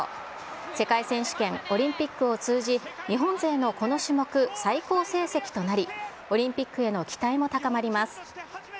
世界選手権、オリンピックを通じ、日本勢のこの種目最高成績となり、オリンピックへの期待も高まります。